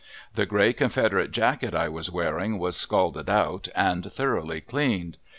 The gray Confederate jacket I was wearing was "scalded out" and thoroughly cleaned.